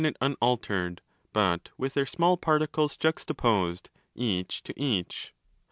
3345 unaltered but with their small particles juxtaposed each to 3° each.